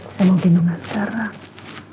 saya mau bingunglah sekarang